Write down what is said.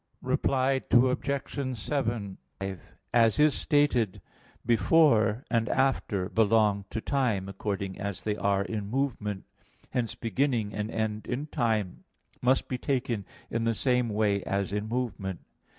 Reply Obj. 7: As is stated (Phys. iv, text 99), "before" and "after" belong to time, according as they are in movement. Hence beginning and end in time must be taken in the same way as in movement.